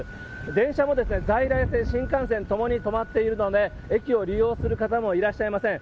電車も在来線、新幹線ともに止まっているので、駅を利用する方もいらっしゃいません。